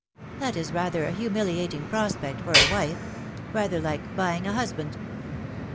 " That is rather a humiliating prospect for a wife rather like buying a husband."